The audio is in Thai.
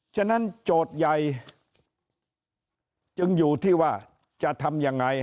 ฉะนั้นโจทย์ใหญ่จึงอยู่ที่ว่าจะทำยังไง